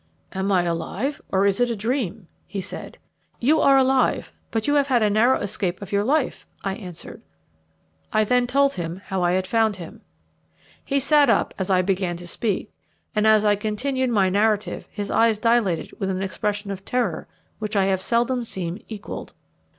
"Am I alive, or is it a dream?" he said. "You are alive, but you have had a narrow escape of your life," I answered. I then told him how I had found him. He sat up as I began to speak, and as I continued my narrative his eyes dilated with an expression of terror which I have seldom seen equalled.